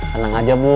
tenang aja bu